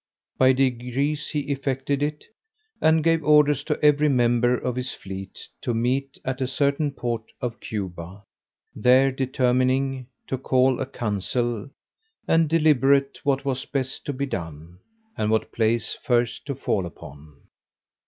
By degrees he effected it, and gave orders to every member of his fleet to meet at a certain port of Cuba, there determining to call a council, and deliberate what was best to be done, and what place first to fall upon.